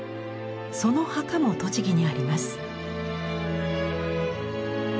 その墓も栃木にあります。